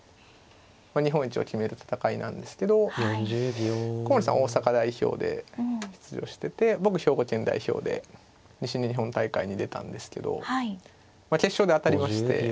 日本一を決める戦いなんですけど古森さんは大阪代表で出場してて僕兵庫県代表で西日本大会に出たんですけど決勝で当たりまして。